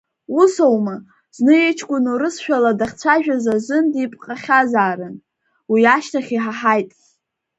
Усоума, зны иҷкәын урысшәала дахьцәажәаз азын диԥҟахьазаарын, уи ашьҭахь иҳаҳаит.